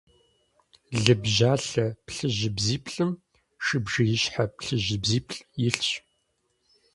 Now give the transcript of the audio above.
Лыбжьалъэ плъыжьыбзиплӏым шыбжиищхьэ плъыжьыбзиплӏ илъщ.